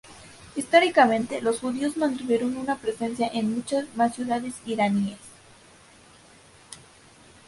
Históricamente, los judíos mantuvieron una presencia en muchas más ciudades iraníes.